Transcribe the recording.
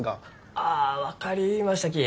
あ分かりましたき。